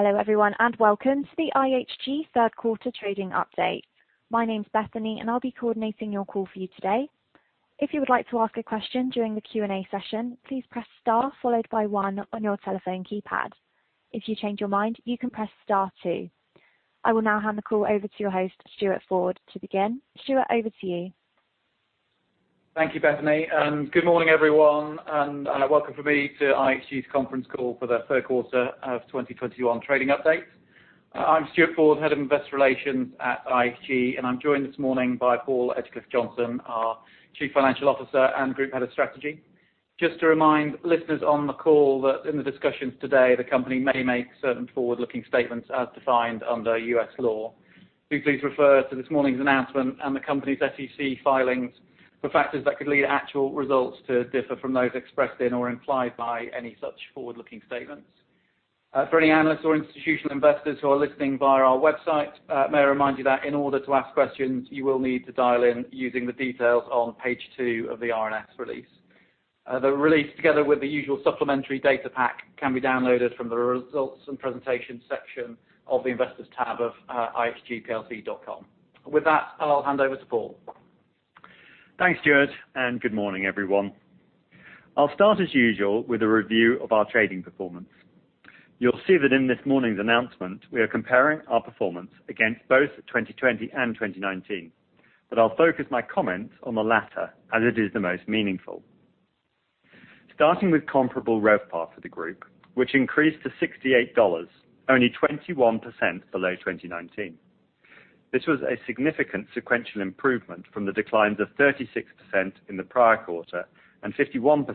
Hello everyone. Welcome to the IHG third quarter trading update. My name's Bethany, and I'll be coordinating your call for you today. If you would like to ask a question during the Q&A session, please press star followed by one on your telephone keypad. If you change your mind, you can press star two. I will now hand the call over to your host, Stuart Ford, to begin. Stuart, over to you. Thank you, Bethany. Good morning, everyone, welcome from me to IHG's conference call for the third quarter of 2021 trading update. I'm Stuart Ford, Head of Investor Relations at IHG, and I'm joined this morning by Paul Edgecliffe-Johnson, our Chief Financial Officer and Group Head of Strategy. Just to remind listeners on the call that in the discussions today, the company may make certain forward-looking statements as defined under U.S. law. Do please refer to this morning's announcement and the company's SEC filings for factors that could lead actual results to differ from those expressed in or implied by any such forward-looking statements. For any analysts or institutional investors who are listening via our website, may I remind you that in order to ask questions, you will need to dial in using the details on page two of the RNS release. The release, together with the usual supplementary data pack, can be downloaded from the results and presentation section of the investors tab of ihgplc.com. With that, I'll hand over to Paul. Thanks, Stuart, and good morning, everyone. I'll start as usual with a review of our trading performance. You'll see that in this morning's announcement, we are comparing our performance against both 2020 and 2019. I'll focus my comments on the latter as it is the most meaningful. Starting with comparable RevPAR for the group, which increased to $68, only 21% below 2019. This was a significant sequential improvement from the declines of 36% in the prior quarter and 51%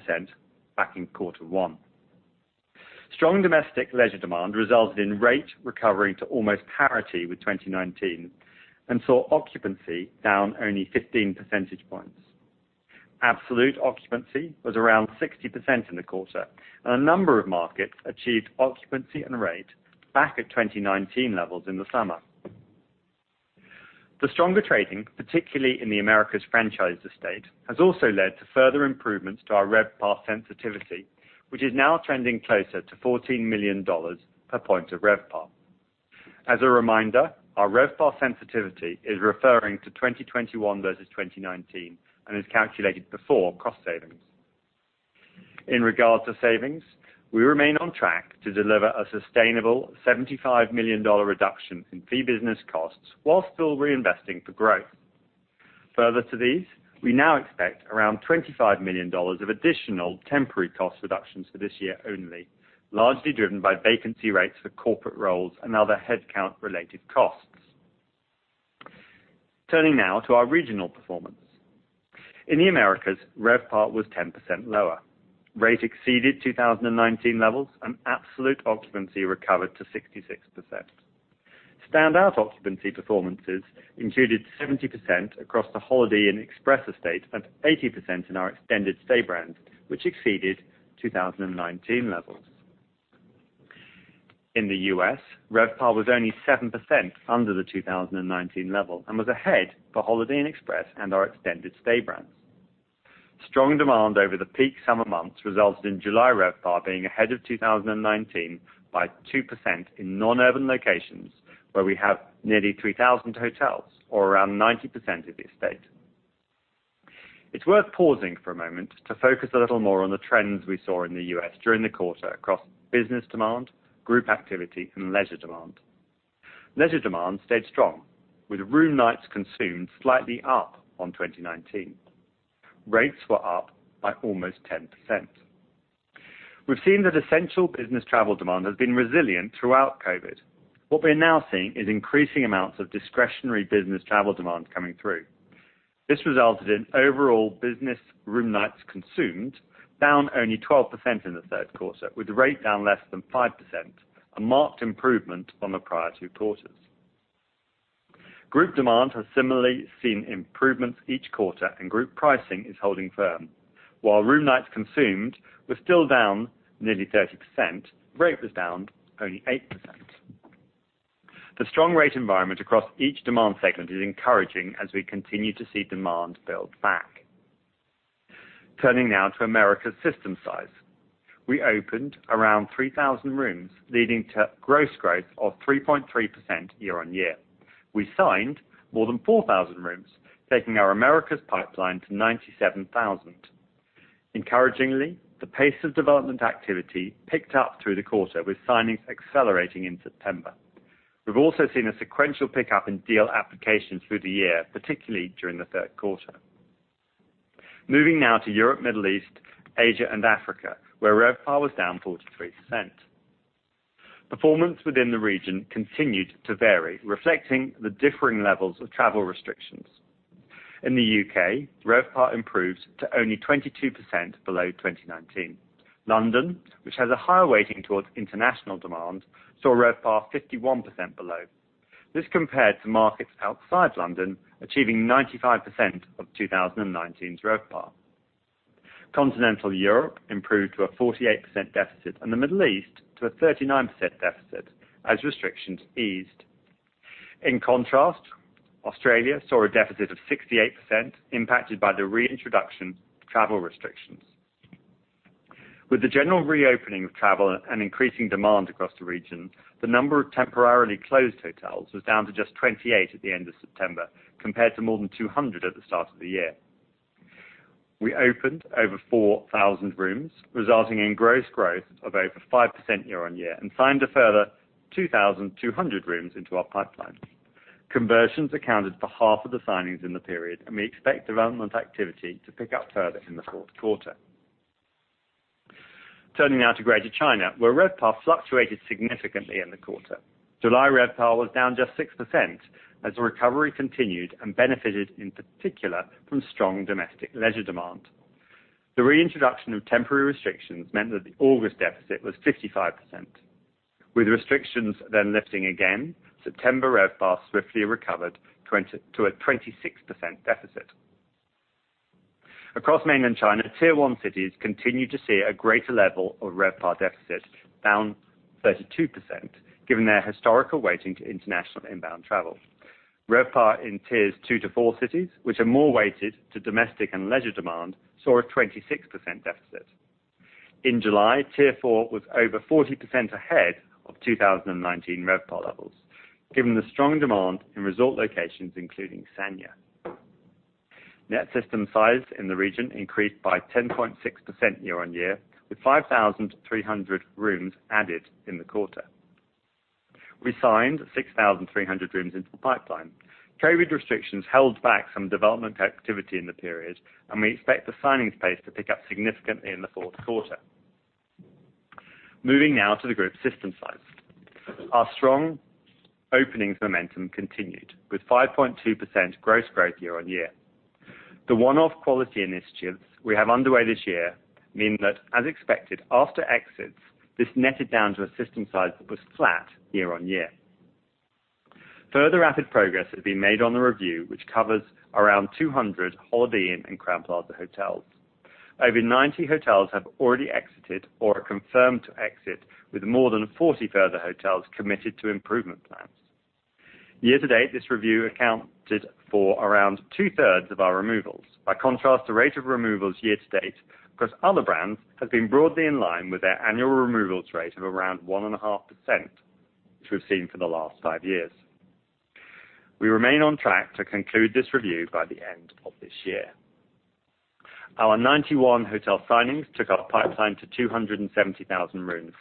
back in quarter one. Strong domestic leisure demand resulted in rate recovery to almost parity with 2019 and saw occupancy down only 15 percentage points. Absolute occupancy was around 60% in the quarter. A number of markets achieved occupancy and rate back at 2019 levels in the summer. The stronger trading, particularly in the Americas franchise estate, has also led to further improvements to our RevPAR sensitivity, which is now trending closer to GBP 14 million per point of RevPAR. As a reminder, our RevPAR sensitivity is referring to 2021 versus 2019 and is calculated before cost savings. In regards to savings, we remain on track to deliver a sustainable GBP 75 million reduction in fee business costs while still reinvesting for growth. Further to these, we now expect around GBP 25 million of additional temporary cost reductions for this year only, largely driven by vacancy rates for corporate roles and other headcount-related costs. Turning now to our regional performance. In the Americas, RevPAR was 10% lower. Rate exceeded 2019 levels, and absolute occupancy recovered to 66%. Standout occupancy performances included 70% across the Holiday Inn Express estate and 80% in our extended stay brand, which exceeded 2019 levels. In the U.S., RevPAR was only 7% under the 2019 level and was ahead for Holiday Inn Express and our extended stay brands. Strong demand over the peak summer months resulted in July RevPAR being ahead of 2019 by 2% in non-urban locations, where we have nearly 3,000 hotels, or around 90% of the estate. It's worth pausing for a moment to focus a little more on the trends we saw in the U.S. during the quarter across business demand, group activity, and leisure demand. Leisure demand stayed strong, with room nights consumed slightly up on 2019. Rates were up by almost 10%. We've seen that essential business travel demand has been resilient throughout COVID. What we're now seeing is increasing amounts of discretionary business travel demand coming through. This resulted in overall business room nights consumed down only 12% in the third quarter, with rate down less than 5%, a marked improvement from the prior two quarters. Group demand has similarly seen improvements each quarter, and group pricing is holding firm. While room nights consumed were still down nearly 30%, rate was down only 8%. The strong rate environment across each demand segment is encouraging as we continue to see demand build back. Turning now to Americas system size. We opened around 3,000 rooms, leading to gross growth of 3.3% year-on-year. We signed more than 4,000 rooms, taking our Americas pipeline to 97,000. Encouragingly, the pace of development activity picked up through the quarter, with signings accelerating in September. We've also seen a sequential pickup in deal applications through the year, particularly during the third quarter. Moving now to Europe, Middle East, Asia, and Africa, where RevPAR was down 43%. Performance within the region continued to vary, reflecting the differing levels of travel restrictions. In the U.K., RevPAR improved to only 22% below 2019. London, which has a higher weighting towards international demand, saw RevPAR 51% below. This compared to markets outside London achieving 95% of 2019's RevPAR. Continental Europe improved to a 48% deficit and the Middle East to a 39% deficit as restrictions eased. In contrast, Australia saw a deficit of 68%, impacted by the reintroduction of travel restrictions. With the general reopening of travel and increasing demand across the region, the number of temporarily closed hotels was down to just 28 at the end of September, compared to more than 200 at the start of the year. We opened over 4,000 rooms, resulting in gross growth of over 5% year-on-year, and signed a further 2,200 rooms into our pipeline. Conversions accounted for half of the signings in the period, and we expect development activity to pick up further in the fourth quarter. Turning now to Greater China, where RevPAR fluctuated significantly in the quarter. July RevPAR was down just 6%, as the recovery continued and benefited in particular from strong domestic leisure demand. The reintroduction of temporary restrictions meant that the August deficit was 55%, with restrictions then lifting again, September RevPAR swiftly recovered to a 26% deficit. Across mainland China, Tier 1 cities continued to see a greater level of RevPAR deficit, down 32%, given their historical weighting to international inbound travel. RevPAR in Tiers 2 to 4 cities, which are more weighted to domestic and leisure demand, saw a 26% deficit. In July, Tier 4 was over 40% ahead of 2019 RevPAR levels, given the strong demand in resort locations, including Sanya. Net system size in the region increased by 10.6% year-on-year, with 5,300 rooms added in the quarter. We signed 6,300 rooms into the pipeline. COVID restrictions held back some development activity in the period, and we expect the signings pace to pick up significantly in the fourth quarter. Moving now to the group system size. Our strong openings momentum continued with 5.2% gross growth year-on-year. The one-off quality initiatives we have underway this year mean that, as expected after exits, this netted down to a system size that was flat year-on-year. Further rapid progress has been made on the review, which covers around 200 Holiday Inn and Crowne Plaza hotels. Over 90 hotels have already exited or are confirmed to exit, with more than 40 further hotels committed to improvement plans. Year-to-date, this review accounted for around two-thirds of our removals. By contrast, the rate of removals year-to-date across other brands has been broadly in line with their annual removals rate of around 1.5%, which we've seen for the last five years. We remain on track to conclude this review by the end of this year. Our 91 hotel signings took our pipeline to 270,000 rooms.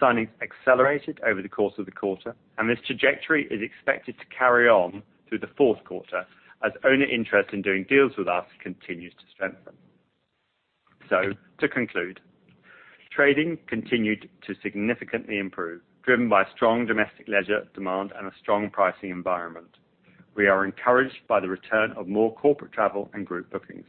Signings accelerated over the course of the quarter, and this trajectory is expected to carry on through the fourth quarter as owner interest in doing deals with us continues to strengthen. To conclude, trading continued to significantly improve, driven by strong domestic leisure demand and a strong pricing environment. We are encouraged by the return of more corporate travel and group bookings.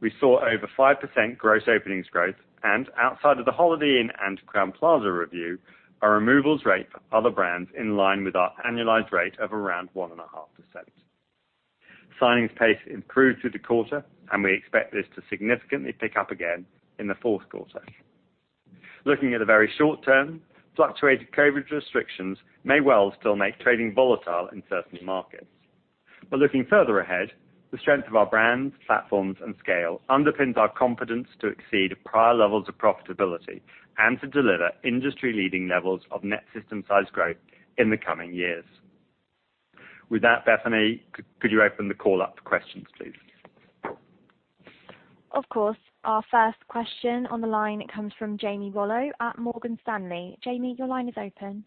We saw over 5% gross openings growth, and outside of the Holiday Inn and Crowne Plaza review, our removals rate for other brands in line with our annualized rate of around 1.5%. Signings pace improved through the quarter, and we expect this to significantly pick up again in the fourth quarter. Looking at the very short term, fluctuated COVID restrictions may well still make trading volatile in certain markets. Looking further ahead, the strength of our brands, platforms, and scale underpins our confidence to exceed prior levels of profitability and to deliver industry-leading levels of net system size growth in the coming years. With that, Bethany, could you open the call up for questions, please? Of course. Our first question on the line comes from Jamie Rollo at Morgan Stanley. Jamie, your line is open.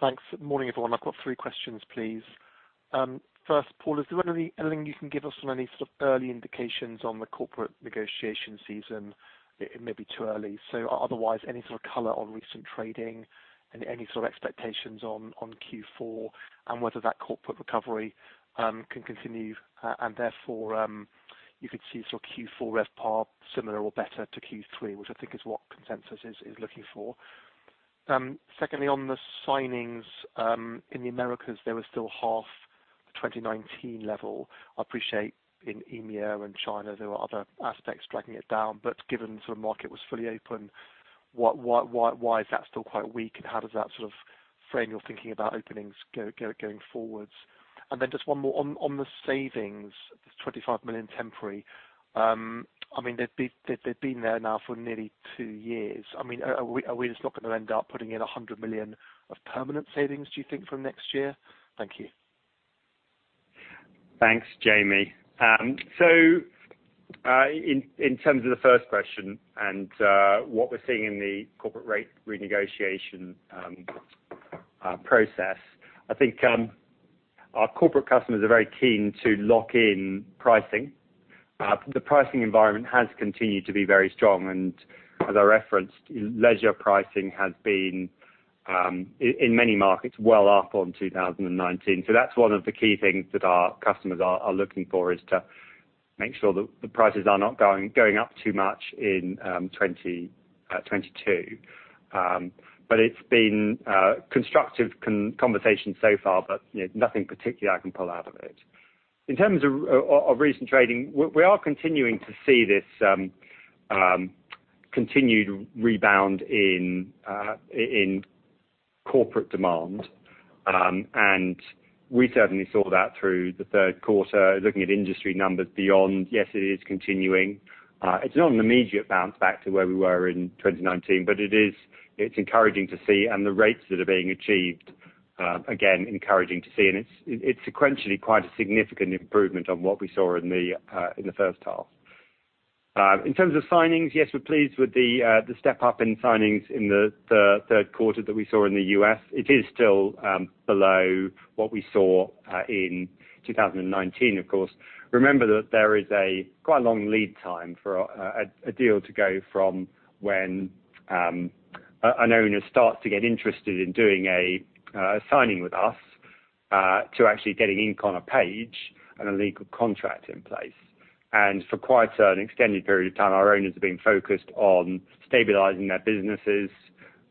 Thanks. Morning, everyone. I've got three questions, please. First, Paul, is there anything you can give us on any sort of early indications on the corporate negotiation season? It may be too early, otherwise, any sort of color on recent trading and any sort of expectations on Q4 and whether that corporate recovery can continue and therefore, you could see sort of Q4 RevPAR similar or better to Q3, which I think is what consensus is looking for. Secondly, on the signings, in the Americas, they were still half the 2019 level. I appreciate in EMEA and China, there were other aspects dragging it down, given sort of market was fully open, why is that still quite weak, and how does that sort of frame your thinking about openings going forwards? Just one more, on the savings, the $25 million temporary. They've been there now for nearly two years. Are we just not going to end up putting in 100 million of permanent savings, do you think, from next year? Thank you. Thanks, Jamie. In terms of the first question and what we're seeing in the corporate rate renegotiation process, I think our corporate customers are very keen to lock in pricing. The pricing environment has continued to be very strong, and as I referenced, leisure pricing has been, in many markets, well up on 2019. That's one of the key things that our customers are looking for, is to make sure that the prices are not going up too much in 2022. It's been constructive conversations so far, but nothing particular I can pull out of it. In terms of recent trading, we are continuing to see this continued rebound in corporate demand. We certainly saw that through the third quarter. Looking at industry numbers beyond, yes, it is continuing. It's not an immediate bounce back to where we were in 2019, but it's encouraging to see, and the rates that are being achieved, again, encouraging to see. It's sequentially quite a significant improvement on what we saw in the first half. In terms of signings, yes, we're pleased with the step up in signings in the third quarter that we saw in the U.S. It is still below what we saw in 2019, of course. Remember that there is a quite long lead time for a deal to go from when an owner starts to get interested in doing a signing with us to actually getting ink on a page and a legal contract in place. For quite an extended period of time, our owners have been focused on stabilizing their businesses,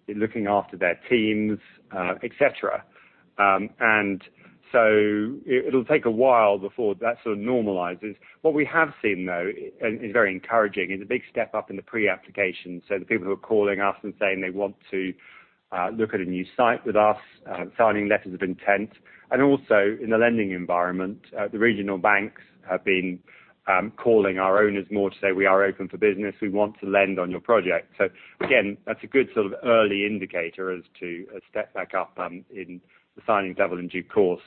looking after their teams, et cetera. It'll take a while before that sort of normalizes. What we have seen, though, is very encouraging. It's a big step up in the pre-application. The people who are calling us and saying they want to look at a new site with us, signing letters of intent. Also in the lending environment, the regional banks have been calling our owners more to say, "We are open for business. We want to lend on your project." Again, that's a good sort of early indicator as to a step back up in the signing level in due course.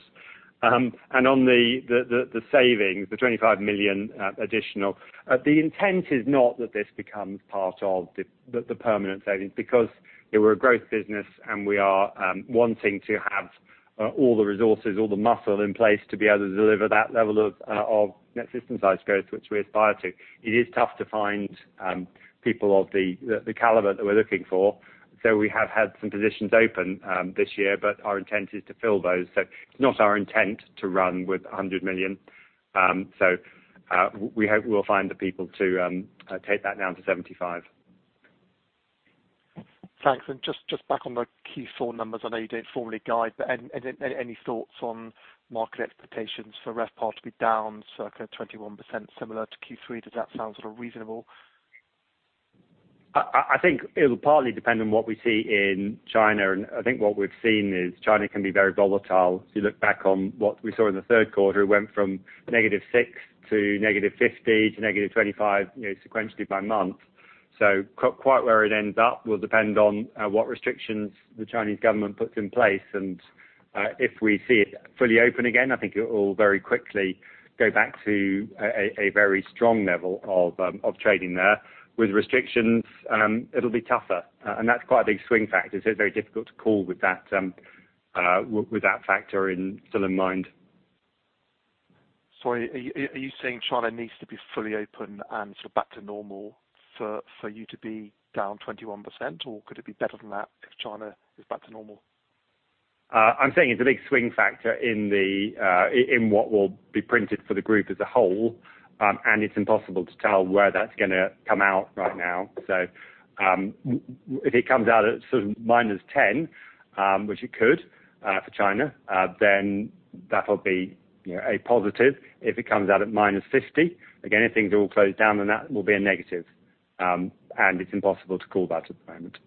On the savings, the 25 million additional, the intent is not that this becomes part of the permanent savings because we're a growth business and we are wanting to have all the resources, all the muscle in place to be able to deliver that level of net system-size growth which we aspire to. It is tough to find people of the caliber that we're looking for. We have had some positions open this year, but our intent is to fill those. It's not our intent to run with 100 million. We hope we'll find the people to take that down to 75 million. Thanks. Just back on the Q4 numbers. I know you don't formally guide, but any thoughts on market expectations for RevPAR to be down circa 21%, similar to Q3? Does that sound sort of reasonable? I think it'll partly depend on what we see in China. I think what we've seen is China can be very volatile. If you look back on what we saw in the third quarter, it went from -6% to -50% to -25% sequentially by month. Quite where it ends up will depend on what restrictions the Chinese government puts in place. If we see it fully open again, I think it will very quickly go back to a very strong level of trading there. With restrictions, it'll be tougher. That's quite a big swing factor. It's very difficult to call with that factor still in mind. Sorry, are you saying China needs to be fully open and back to normal for you to be down 21%, or could it be better than that if China is back to normal? I'm saying it's a big swing factor in what will be printed for the group as a whole, and it's impossible to tell where that's going to come out right now. If it comes out at -10, which it could for China, then that'll be a positive. If it comes out at -50, again, if things are all closed down, then that will be a negative. It's impossible to call that at the moment.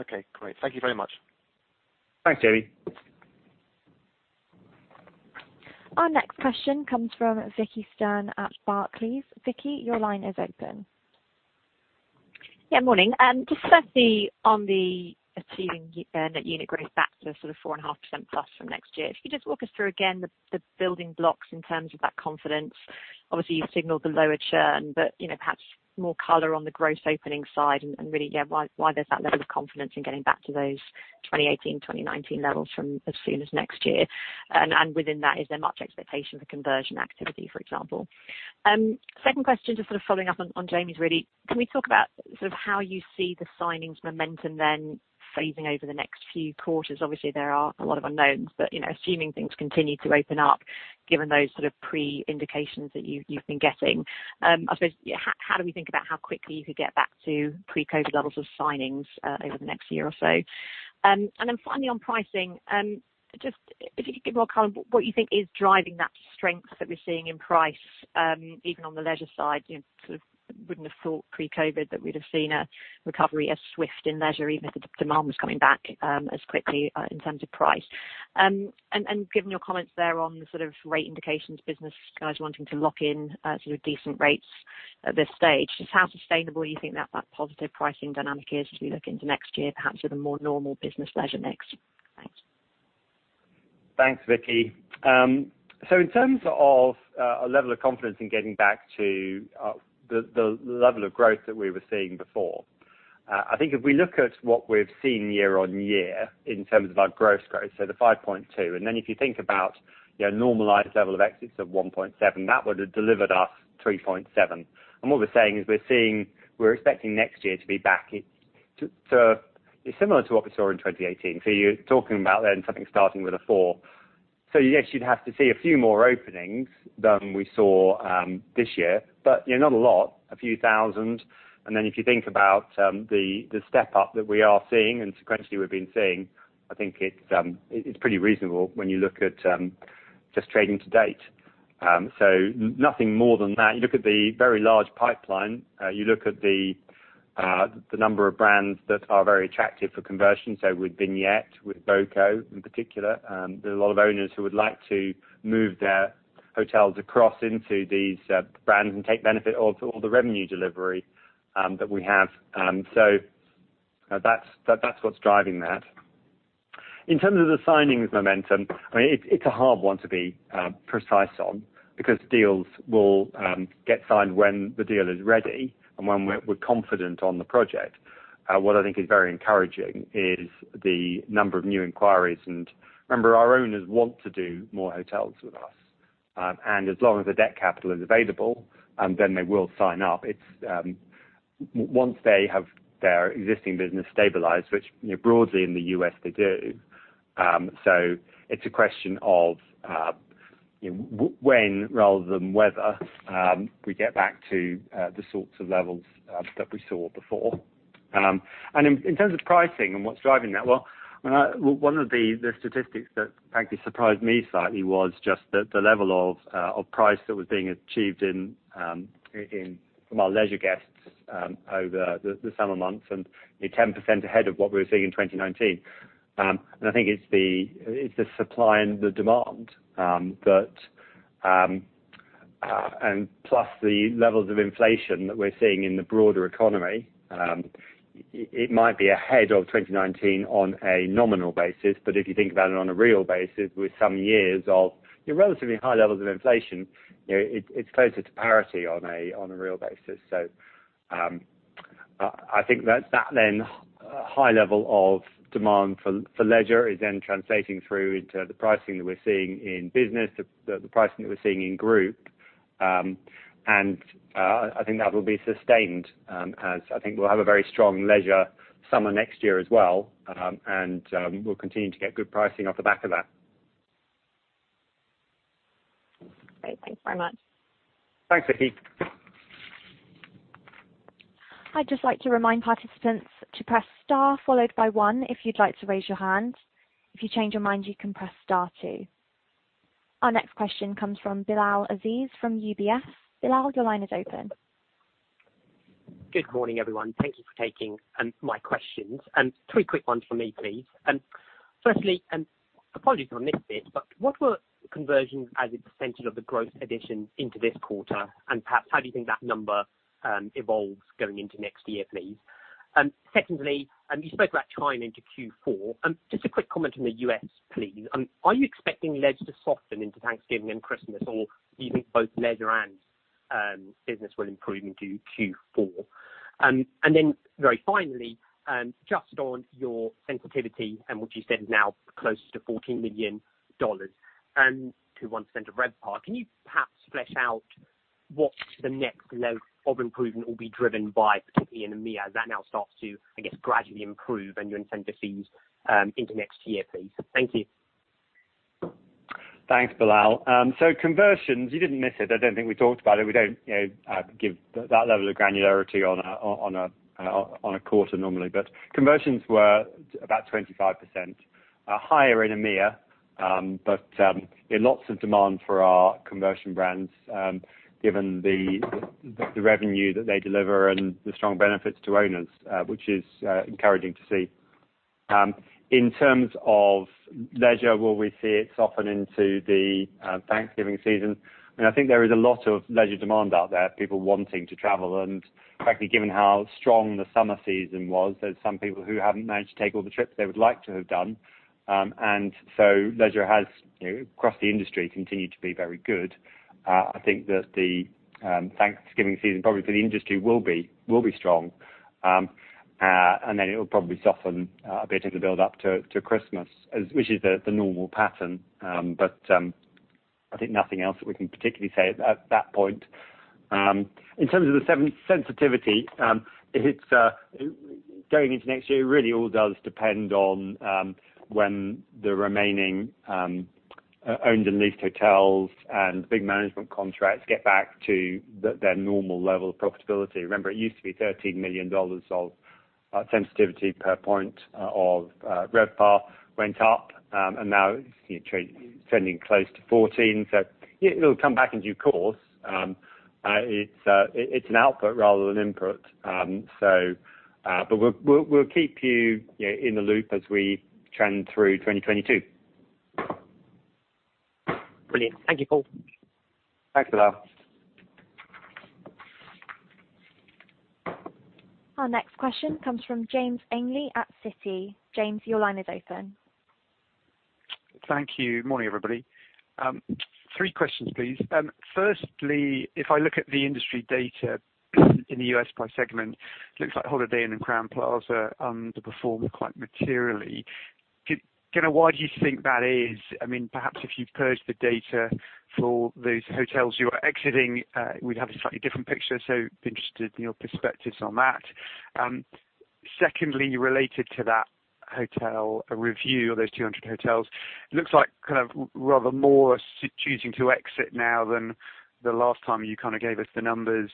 Okay, great. Thank you very much. Thanks, Jamie. Our next question comes from Vicki Stern at Barclays. Vicki, your line is open. Morning. Just firstly on the achieving net unit growth back to sort of 4.5%+ from next year. If you could just walk us through again the building blocks in terms of that confidence. Obviously, you've signaled the lower churn, but perhaps more color on the gross opening side and really why there's that level of confidence in getting back to those 2018, 2019 levels from as soon as next year. Within that, is there much expectation for conversion activity, for example? Second question, just sort of following up on Jamie's, really. Can we talk about how you see the signings momentum then phasing over the next few quarters? Obviously, there are a lot of unknowns. Assuming things continue to open up, given those sort of pre-indications that you've been getting, I suppose, how do we think about how quickly you could get back to pre-COVID levels of signings over the next year or so? Then finally on pricing, just if you could give more color on what you think is driving that strength that we're seeing in price, even on the leisure side. You sort of wouldn't have thought pre-COVID that we'd have seen a recovery as swift in leisure, even if the demand was coming back as quickly in terms of price. Given your comments there on the sort of rate indications business, guys wanting to lock in sort of decent rates at this stage, just how sustainable you think that positive pricing dynamic is as we look into next year, perhaps with a more normal business leisure mix? Thanks. Thanks, Vicki. In terms of our level of confidence in getting back to the level of growth that we were seeing before, I think if we look at what we've seen year-on-year in terms of our gross growth, so the 5.2%, and then if you think about normalized level of exits of 1.7%, that would have delivered us 3.7%. What we're saying is we're expecting next year to be back to similar to what we saw in 2018. You're talking about then something starting with a 4%. Yes, you'd have to see a few more openings than we saw this year. Not a lot, a few thousand. If you think about the step up that we are seeing and sequentially we've been seeing, I think it's pretty reasonable when you look at just trading to date. Nothing more than that. You look at the very large pipeline, you look at the number of brands that are very attractive for conversion, with Vignette with voco in particular, there are a lot of owners who would like to move their hotels across into these brands and take benefit of all the revenue delivery that we have. That's what's driving that. In terms of the signings momentum, it's a hard one to be precise on because deals will get signed when the deal is ready and when we're confident on the project. What I think is very encouraging is the number of new inquiries. Remember, our owners want to do more hotels with us. As long as the debt capital is available, they will sign up. Once they have their existing business stabilized, which broadly in the U.S. they do. It's a question of when rather than whether we get back to the sorts of levels that we saw before. In terms of pricing and what's driving that, well, one of the statistics that frankly surprised me slightly was just the level of price that was being achieved from our leisure guests over the summer months and we're 10% ahead of what we were seeing in 2019. I think it's the supply and the demand, and plus the levels of inflation that we're seeing in the broader economy. It might be ahead of 2019 on a nominal basis, but if you think about it on a real basis with some years of relatively high levels of inflation, it's closer to parity on a real basis. I think that then high level of demand for leisure is then translating through into the pricing that we're seeing in business, the pricing that we're seeing in group. I think that'll be sustained as I think we'll have a very strong leisure summer next year as well. We'll continue to get good pricing off the back of that. Great. Thanks very much. Thanks, Vicki. I'd just like to remind participants to press star followed by one if you'd like to raise your hand. If you change your mind, you can press star two. Our next question comes from Bilal Aziz from UBS. Bilal, your line is open. Good morning, everyone. Thank you for taking my questions. Three quick ones from me, please. Firstly, apologies if I missed it, but what were conversions as a percentage of the growth addition into this quarter, and perhaps how do you think that number evolves going into next year, please? Secondly, you spoke about China into Q4. Just a quick comment on the U.S., please. Are you expecting leisure to soften into Thanksgiving and Christmas, or do you think both leisure and business will improve into Q4? Very finally, just on your sensitivity and what you said is now closer to GBP 14 million and to 1% of RevPAR, can you perhaps flesh out what the next load of improvement will be driven by, particularly in the EMEA as that now starts to, I guess, gradually improve and your incentive fees into next year, please? Thank you. Thanks, Bilal. Conversions, you didn't miss it. I don't think we talked about it. We don't give that level of granularity on a quarter normally, but conversions were about 25% higher in EMEA, but lots of demand for our conversion brands given the revenue that they deliver and the strong benefits to owners, which is encouraging to see. In terms of leisure, will we see it soften into the Thanksgiving season? I think there is a lot of leisure demand out there, people wanting to travel, and frankly, given how strong the summer season was, there's some people who haven't managed to take all the trips they would like to have done. Leisure has, across the industry, continued to be very good. I think that the Thanksgiving season, probably for the industry, will be strong. Then it will probably soften a bit in the build up to Christmas, which is the normal pattern. I think nothing else that we can particularly say at that point. In terms of the sensitivity, going into next year, it really all does depend on when the remaining owned and leased hotels and big management contracts get back to their normal level of profitability. Remember, it used to be $13 million of sensitivity per one point of RevPAR went up, and now trending close to 14 million. It'll come back in due course. It's an output rather than input. We'll keep you in the loop as we trend through 2022. Brilliant. Thank you, Paul. Thanks, Bilal. Our next question comes from James Ainley at Citi. James, your line is open. Thank you. Morning, everybody. Three questions, please. Firstly, if I look at the industry data in the U.S. by segment, looks like Holiday Inn and Crowne Plaza underperform quite materially. Why do you think that is? Perhaps if you purge the data for those hotels you are exiting, we'd have a slightly different picture, so interested in your perspectives on that. Secondly, related to that hotel review of those 200 hotels, looks like rather more choosing to exit now than the last time you gave us the numbers.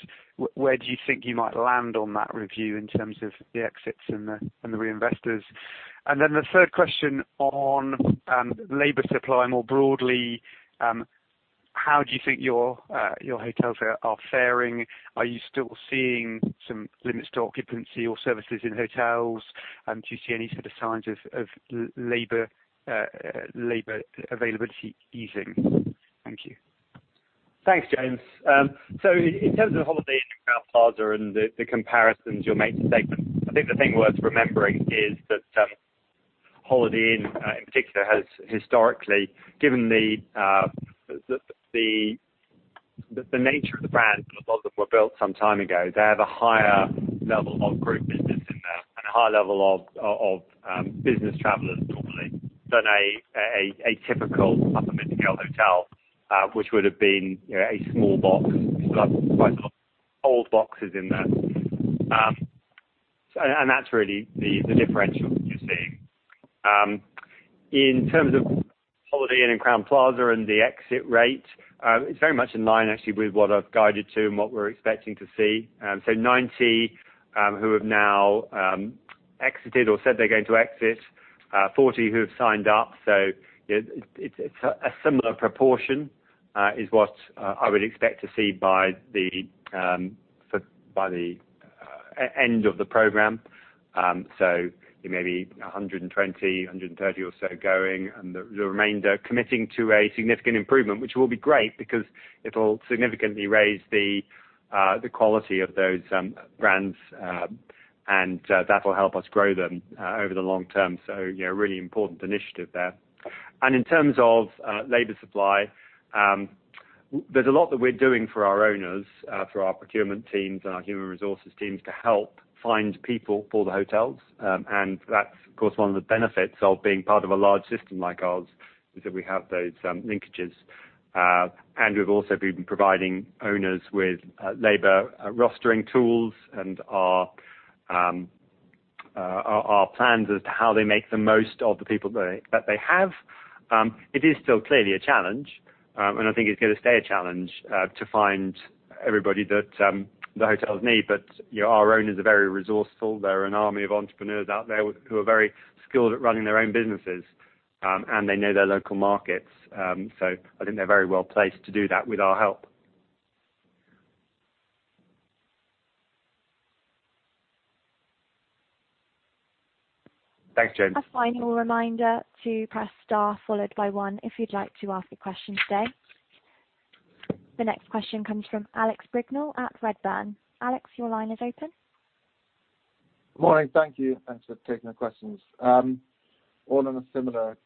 Where do you think you might land on that review in terms of the exits and the reinvestors? The third question on labor supply more broadly, how do you think your hotels are fairing? Are you still seeing some limits to occupancy or services in hotels? Do you see any sort of signs of labor availability easing? Thank you. Thanks, James. In terms of Holiday Inn and Crowne Plaza and the comparisons you'll make to segments, I think the thing worth remembering is that Holiday Inn, in particular, has historically, given the nature of the brand and a lot of them were built some time ago, they have a higher level of group business in there and a higher level of business travelers normally than a typical InterContinental hotel, which would've been a small box. Still have quite a lot of old boxes in there. That's really the differential that you're seeing. In terms of Holiday Inn and Crowne Plaza and the exit rate, it's very much in line actually with what I've guided to and what we're expecting to see. 90 who have now exited or said they're going to exit, 40 who have signed up. It's a similar proportion, is what I would expect to see by the end of the program. Maybe 120, 130 or so going, and the remainder committing to a significant improvement, which will be great because it'll significantly raise the quality of those brands, and that'll help us grow them over the long term. A really important initiative there. In terms of labor supply, there's a lot that we're doing for our owners through our procurement teams and our human resources teams to help find people for the hotels. That's, of course, one of the benefits of being part of a large system like ours, is that we have those linkages. We've also been providing owners with labor rostering tools and our plans as to how they make the most of the people that they have. It is still clearly a challenge, and I think it's going to stay a challenge, to find everybody that the hotels need. Our owners are very resourceful. They're an army of entrepreneurs out there who are very skilled at running their own businesses, and they know their local markets. I think they're very well-placed to do that with our help. Thanks, James. A final reminder to press star followed by one if you'd like to ask a question today. The next question comes from Alex Brignall at Redburn. Alex, your line is open. Morning. Thank you. Thanks for taking the questions. All on a similar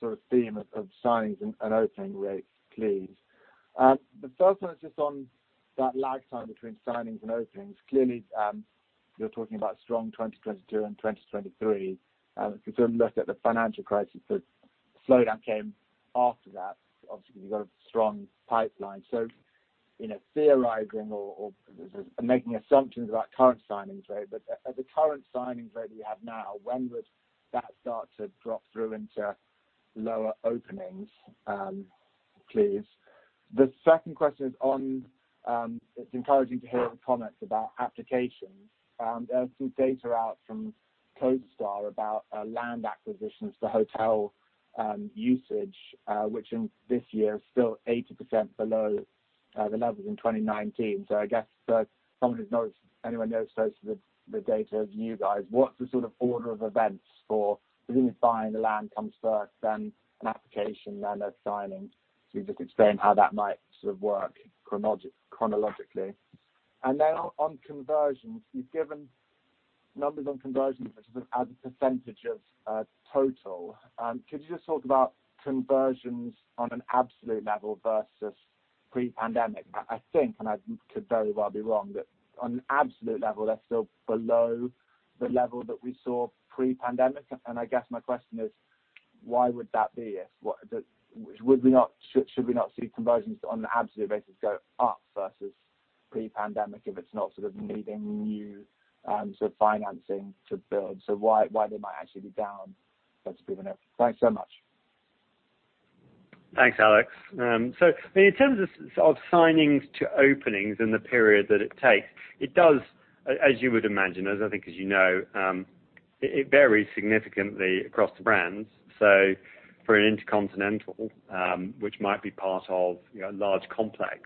sort of theme of signings and opening rates, please. The first one is just on that lag time between signings and openings. Clearly, you're talking about a strong 2022 and 2023. If you sort of look at the financial crisis, the slowdown came after that, obviously because you've got a strong pipeline. Theorizing or making assumptions about current signings rate, but at the current signings rate that you have now, when would that start to drop through into lower openings, please? The second question is it's encouraging to hear the comments about applications. There are some data out from CoStar about land acquisitions for hotel usage, which in this year is still 80% below the levels in 2019. I guess for someone who knows, anyone who knows those, the data of you guys, what's the sort of order of events presumably buying the land comes first, then an application, then a signing? You just explain how that might sort of work chronologically. On conversions, you've given numbers on conversions, but as a percentage of total. Could you just talk about conversions on an absolute level versus pre-pandemic? I think, and I could very well be wrong, that on an absolute level, they're still below the level that we saw pre-pandemic. I guess my question is why would that be? Should we not see conversions on an absolute basis go up versus pre-pandemic if it's not sort of needing new sort of financing to build? Why they might actually be down post-pandemic? Thanks so much. Thanks, Alex. In terms of signings to openings and the period that it takes, it does, as you would imagine, as I think as you know, it varies significantly across the brands. For an InterContinental, which might be part of a large complex,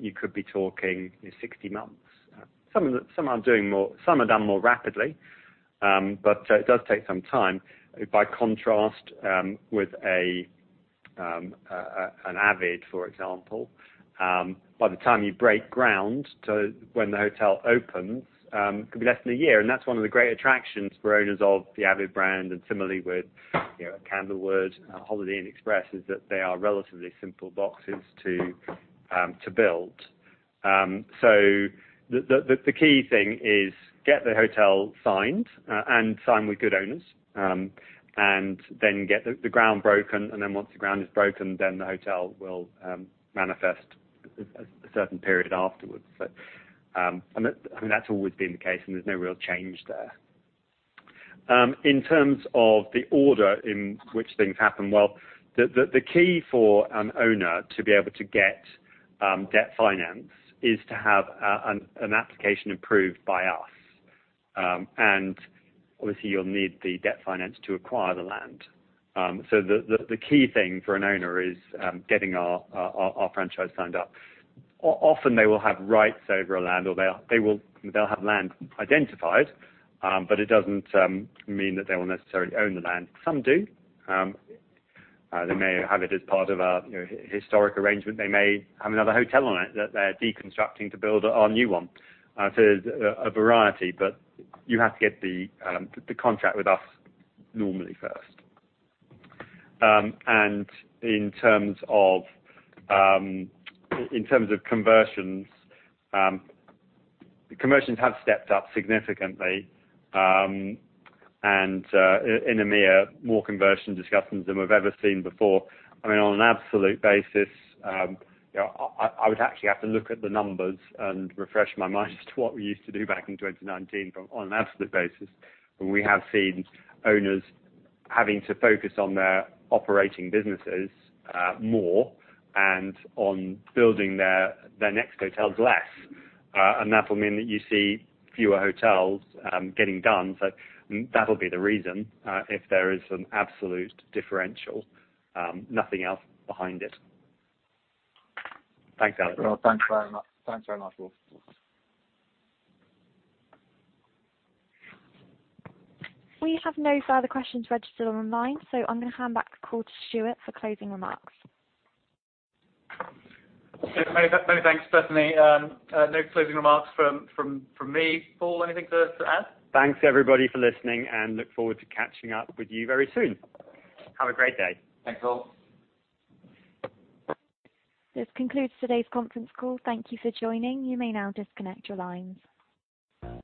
you could be talking 60 months. Some are done more rapidly. It does take some time. By contrast, with an avid, for example, by the time you break ground to when the hotel opens, could be less than a year. That's one of the great attractions for owners of the avid brand and similarly with Candlewood, Holiday Inn Express, is that they are relatively simple boxes to build. The key thing is get the hotel signed and signed with good owners, and then get the ground broken, and then once the ground is broken, then the hotel will manifest a certain period afterwards. I mean, that's always been the case, and there's no real change there. In terms of the order in which things happen, well, the key for an owner to be able to get debt finance is to have an application approved by us. You'll need the debt finance to acquire the land. The key thing for an owner is getting our franchise signed up. Often they will have rights over a land, or they'll have land identified, but it doesn't mean that they will necessarily own the land. Some do. They may have it as part of a historic arrangement. They may have another hotel on it that they're deconstructing to build our new one. There's a variety, but you have to get the contract with us normally first. In terms of conversions have stepped up significantly, and in EMEA, more conversion discussions than we've ever seen before. On an absolute basis, I would actually have to look at the numbers and refresh my mind as to what we used to do back in 2019. On an absolute basis, we have seen owners having to focus on their operating businesses more and on building their next hotels less. That'll mean that you see fewer hotels getting done. That'll be the reason, if there is an absolute differential, nothing else behind it. Thanks, Alex. Well, thanks very much. Thanks very much, Paul. We have no further questions registered online, so I'm going to hand back the call to Stuart for closing remarks. Many thanks, Bethany. No closing remarks from me. Paul, anything to add? Thanks everybody for listening, and look forward to catching up with you very soon. Have a great day. Thanks, Paul. This concludes today's conference call. Thank you for joining. You may now disconnect your lines.